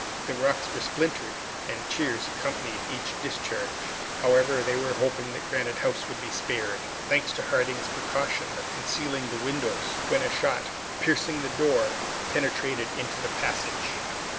The rocks were splintered, and cheers accompanied each discharge. However, they were hoping that Granite House would be spared, thanks to Harding's precaution of concealing the windows when a shot, piercing the door, penetrated into the passage.